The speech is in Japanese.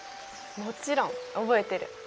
もちろん覚えてる。